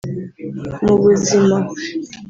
Mu buzima